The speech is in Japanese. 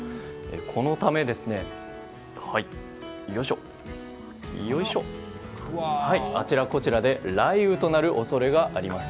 このため、あちらこちらで雷雨となる恐れがあります。